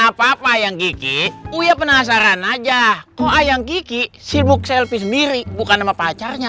apa apa yang gigi oh ya penasaran aja kok ayam kiki sibuk selfie sendiri bukan sama pacarnya